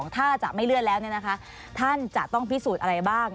ถ้าจะไม่เลือกแล้วเนี่ยนะคะท่านจะต้องพิสูจน์อะไรบ้าง